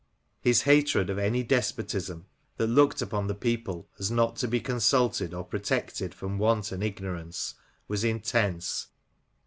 His hatred of any despotism, that looked upon the people as not to be consulted or protected from want and ignorance, was intense.